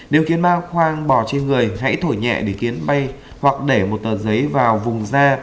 nếu kiến ma khoang bỏ trên người hãy thổi nhẹ để kiếm bay hoặc để một tờ giấy vào vùng da